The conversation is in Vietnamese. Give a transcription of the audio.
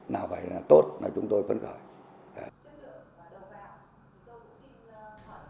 nào vậy là tốt chúng tôi phân khởi